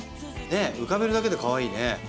浮かべるだけでかわいいね！